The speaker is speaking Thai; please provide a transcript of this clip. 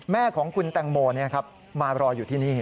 แม่ของคุณแตงโมมารออยู่ที่นี่